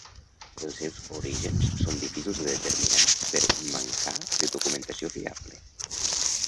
Els seus orígens són difícils de determinar per mancar de documentació fiable.